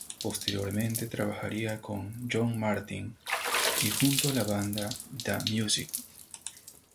Posteriormente trabajaría con John Martyn y junto a la banda The Music.